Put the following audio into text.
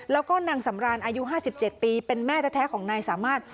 แล้วก็นางสำรานอายุ๕๗ปีเป็นแม่แท้ของนายสามารถ